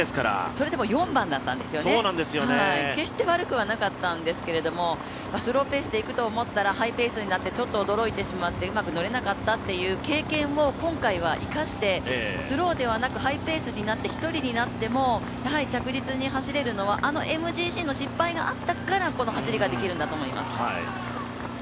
それでも４番だったんです決して悪くはなかったんですけどもスローペースで行くと思ったらハイペースにいってちょっと驚いてしまってうまく乗れなかったっていう経験を今回は生かしてスローではなくハイペースになって一人になっても着実に走れるのはＭＧＣの失敗があったからこの走りができるんだと思います。